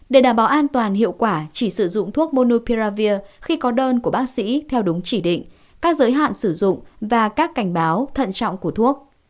để đảm bảo an toàn hiệu quả chỉ sử dụng thuốc monupiravir khi có đơn của bác sĩ theo đúng chỉ định các giới hạn sử dụng và các cảnh báo thận trọng của thuốc